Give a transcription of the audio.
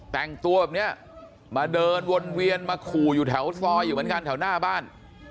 แต่งตัวแบบนี้มาเดินวนเวียนมาขู่อยู่แถวซอยอยู่เหมือนกันแถวหน้าบ้าน